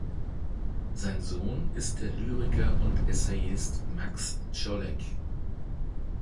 Sein Sohn ist der Lyriker und Essayist Max Czollek.